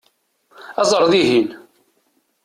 Aẓ ar dihin!